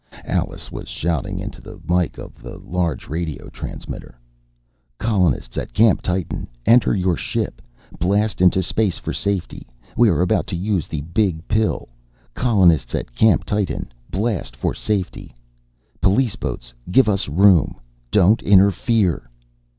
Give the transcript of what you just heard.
Alice was shouting into the mike of the large radio transmitter: "Colonists at Camp Titan! Enter your ship! Blast into space for safety! We are about to use the Big Pill! Colonists at Camp Titan! Blast for safety!... Police boats, give us room! Don't interfere!..."